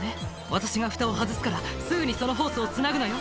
私がふたを外すからすぐにそのホースをつなぐのよ」